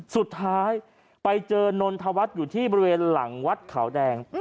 สุดท้ายไปเจอนนทวัฒน์อยู่ที่บริเวณหลังวัดขาวแดง